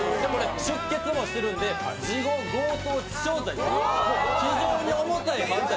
出血もしてるんで、事後強盗致傷罪非常に重たい犯罪。